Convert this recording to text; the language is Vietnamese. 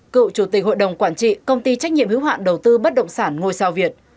cựu chủ tịch hội đồng quản trị công ty trách nhiệm hữu hạn đầu tư bất động sản ngôi sao việt